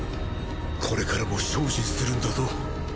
これからも精進するんだぞ。